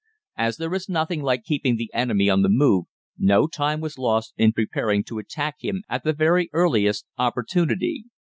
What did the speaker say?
As there is nothing like keeping the enemy on the move, no time was lost in preparing to attack him at the very earliest opportunity.